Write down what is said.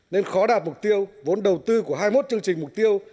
nên khó đạt mục tiêu vốn đầu tư của hai mươi một chương trình mục tiêu